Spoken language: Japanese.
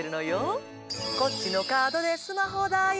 こっちのカードでスマホ代